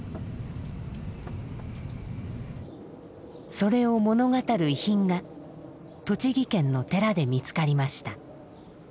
それを物語る遺品が栃木県の寺で見つかりました。